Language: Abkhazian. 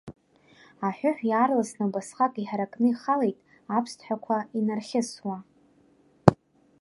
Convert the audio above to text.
Аҳәыҳә иаарласны убасҟак иҳаракны ихалеит, аԥсҭҳәақәа инархьысуа.